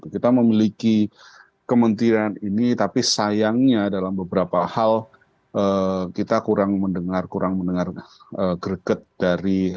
kita memiliki kementerian ini tapi sayangnya dalam beberapa hal kita kurang mendengar kurang mendengar greget dari